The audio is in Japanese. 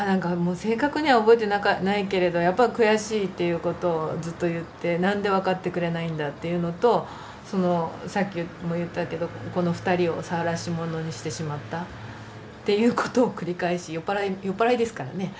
正確には覚えてないけれどやっぱり悔しいっていうことをずっと言ってなんで分かってくれないんだっていうのとそのさっきも言ったけどこの２人をさらし者にしてしまったっていうことを繰り返し酔っ払いですからね。